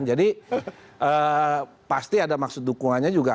jadi pasti ada maksud dukungannya juga